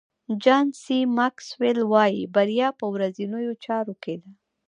جان سي ماکسویل وایي بریا په ورځنیو چارو کې ده.